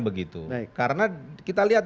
begitu karena kita lihat